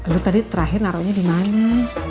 lo tadi terakhir naroknya dimana